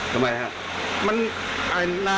ทำไมครับ